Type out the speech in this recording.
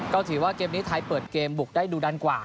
ก็ถือว่าเกมนี้ไทยเปิดเกมบุกได้ดูดันกว่า